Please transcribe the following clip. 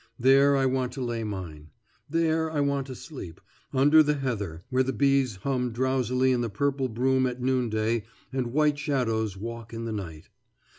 There I want to lay mine. There I want to sleep, under the heather where the bees hum drowsily in the purple broom at noonday and white shadows walk in the night.